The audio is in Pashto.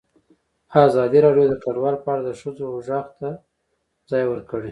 ازادي راډیو د کډوال په اړه د ښځو غږ ته ځای ورکړی.